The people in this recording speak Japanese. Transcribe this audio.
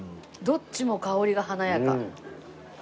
どっちも香りが華やか。